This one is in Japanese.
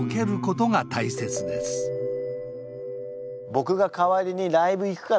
僕が代わりにライブ行くからほら。